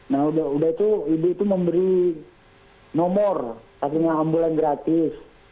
nah udah itu ibu itu memberi nomor satunya ambulan gratis